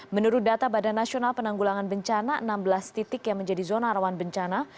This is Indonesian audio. menurut data badan nasional penanggulangan bencana enam belas titik yang menjadi zona rawan bencana